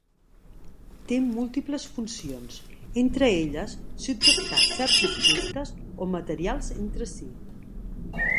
Té múltiples funcions, entre elles subjectar certs objectes o materials entre si.